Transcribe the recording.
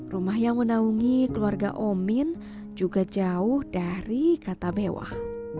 rumah yang menaungi keluarga omin juga jauh dari kata mewah